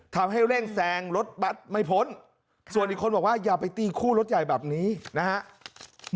ทำให้เร่งแซงรถบัตรไม่พ้นส่วนอีกคนบอกว่าอย่าไปตีคู่รถใหญ่แบบนี้นะครับ